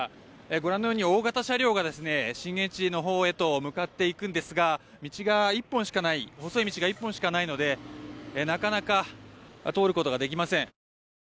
ご覧のように大型車両が震源地のほうへと向かっていくんですが道が、細い道が１本しかないのでなかなか通ることができません。